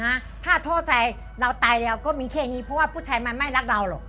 ถ้าโทษใจเราตายแล้วก็มีแค่นี้เพราะว่าผู้ชายมันไม่รักเราหรอก